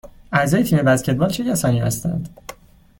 اعضای تیم بسکتبال چه کسانی هستند؟